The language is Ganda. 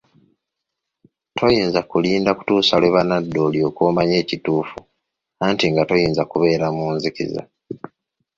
Toyinza kulinda kutuusa lwe banadda olyoke omanye ekituufu anti nga toyinza kubeera mu nzikiza.